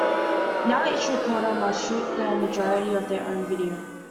Now each reporter must shoot the majority of their own video.